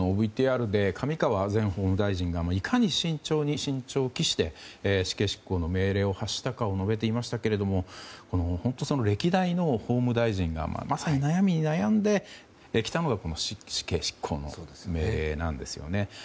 ＶＴＲで、上川前法務大臣がいかに慎重に慎重を期して死刑執行の命令を発したかを述べていましたが本当、歴代の法務大臣がまさに、悩みに悩んできたのがこの死刑執行なんですよね。